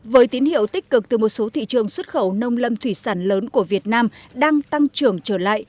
với tín hiệu tích cực từ một số thị trường xuất khẩu nông lâm thủy sản lớn của việt nam đang tăng trưởng trở lại